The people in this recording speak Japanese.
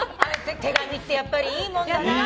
手紙ってやっぱりいいもんだな。